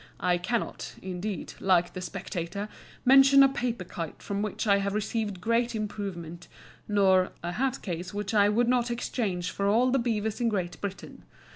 I cannot, indeed, like the "Spectator," "mention a paper kite from which I have received great improvement," nor "a hat case which I would not exchange for all the beavers in Great Britain."